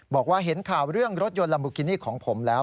บอกว่าเห็นข่าวเรื่องรถยนต์ลัมบุกินี่ของผมแล้ว